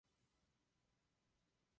Na začátku vypráví Homer příběh v hospodě.